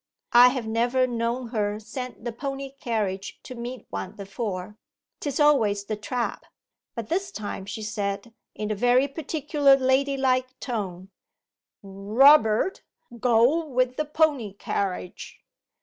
I have never known her send the pony carriage to meet one before; 'tis always the trap, but this time she said, in a very particular ladylike tone, "Roobert, gaow with the pony kerriage."...